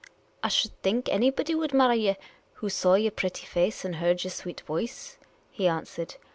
" I should think anybody would marry ye who saw yer pretty face and heard yer sweet voice," he answered.